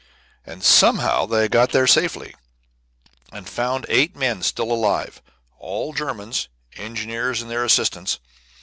And somehow they got there safely, and found eight men still alive, all Germans, engineers and their assistants.